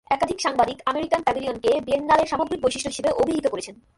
একাধিক সাংবাদিক আমেরিকান প্যাভিলিয়নকে বিয়েন্নালের সামগ্রিক বৈশিষ্ট্য হিসেবে অভিহিত করেছেন।